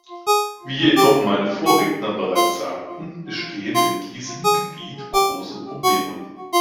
Wie jedoch meine Vorredner bereits sagten, bestehen in diesem Gebiet große Probleme.